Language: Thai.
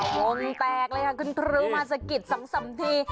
โอ้โฮแปลกเลยค่ะคุณครูมาสะกิดสามที